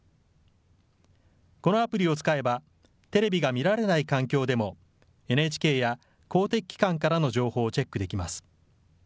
このアプリを使えば、テレビが見られない環境でもＮＨＫや公的機関からの情報をチェックできます。